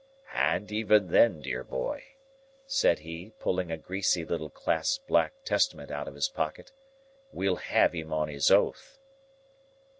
"And even then, dear boy," said he, pulling a greasy little clasped black Testament out of his pocket, "we'll have him on his oath."